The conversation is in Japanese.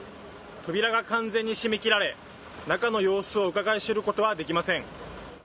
扉が完全に閉めきられ、中の様子をうかがい知ることはできません。